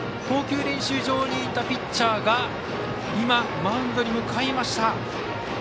投球練習場にいたピッチャーが今、マウンドに向かいました。